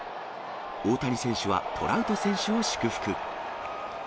大谷選手はトラウト選手を祝福。